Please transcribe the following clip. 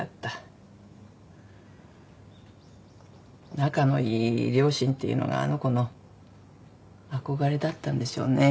仲のいい両親っていうのがあの子の憧れだったんでしょうね。